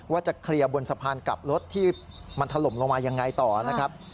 ว่าจะเคลียร์บนสะพานกลับรถที่มันถล่มลงมายังไงต่อนะครับ